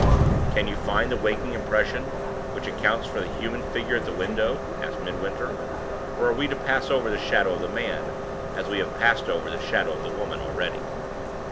"Can you find the waking impression which accounts for the human figure at the window?" asked Midwinter; "or are we to pass over the Shadow of the Man as we have passed over the Shadow of the Woman already?"